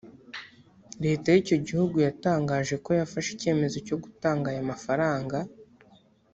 Leta y’icyo gihugu yatangaje ko yafashe icyemezo cyo gutanga aya mafaranga